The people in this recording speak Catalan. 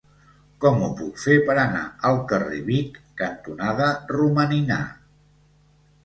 Com ho puc fer per anar al carrer Vic cantonada Romaninar?